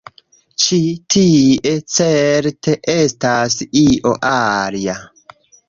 Ĉi tie, certe, estas io alia.